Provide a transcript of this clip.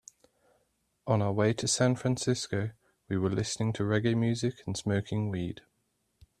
On our way to San Francisco, we were listening to reggae music and smoking weed.